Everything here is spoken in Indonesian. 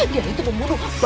dia itu yang membunuh diego